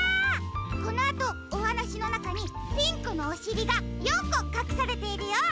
このあとおはなしのなかにピンクのおしりが４こかくされているよ。